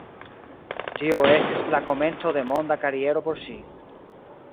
Tio estis la komenco de monda kariero por ŝi.